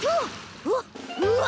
うわっうわ！